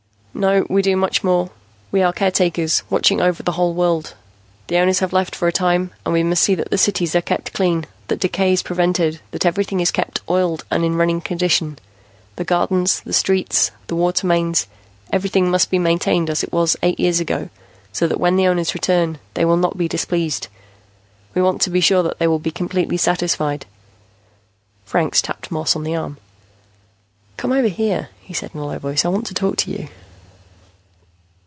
"No, we do much more. We are caretakers, watching over the whole world. The owners have left for a time, and we must see that the cities are kept clean, that decay is prevented, that everything is kept oiled and in running condition. The gardens, the streets, the water mains, everything must be maintained as it was eight years ago, so that when the owners return, they will not be displeased. We want to be sure that they will be completely satisfied." Franks tapped Moss on the arm. "Come over here," he said in a low voice. "I want to talk to you."